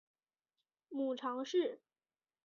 母常氏。